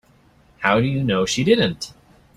How do you know she didn't?